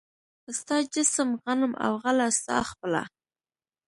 ستا جسم، غنم او غله ستا خپله